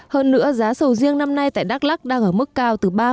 hơn nữa giá sầu riêng năm nay tại đắk lắc đang ở mức cao từ ba mươi